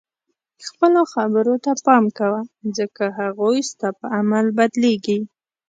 خپلو خبرو ته پام کوه ځکه هغوی ستا په عمل بدلیږي.